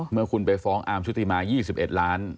เมื่อคุณไปฟ้องอาร์มชุธิมาร์๒๑ล้านราคมาไลน์